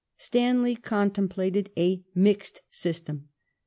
Stanley contemplated a "mixed" system.